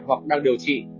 hoặc đang điều trị